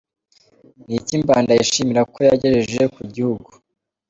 Ni iki Mbanda yishimira ko yagejeje ku gihugu?.